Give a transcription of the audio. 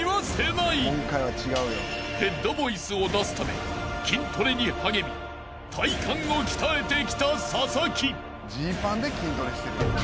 ［ヘッドボイスを出すため筋トレに励み体幹を鍛えてきたササキ］